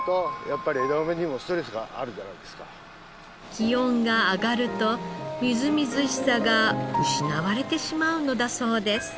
気温が上がるとみずみずしさが失われてしまうのだそうです。